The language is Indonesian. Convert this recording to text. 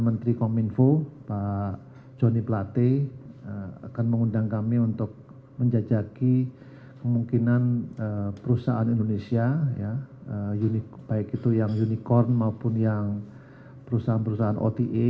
memiliki kemungkinan perusahaan indonesia baik itu yang unicorn maupun yang perusahaan perusahaan ota